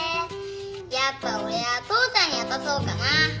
やっぱ俺は父ちゃんに渡そうかなぁ。